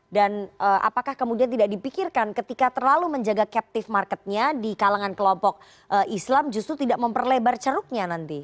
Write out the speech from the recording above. dan apakah kemudian tidak dipikirkan ketika terlalu menjaga captive marketnya di kalangan kelompok islam justru tidak memperlebar ceruknya nanti